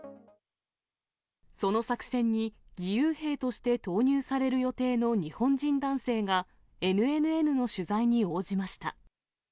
その作戦に、義勇兵として投入される予定の日本人男性が、ＮＮＮの取材に応じました。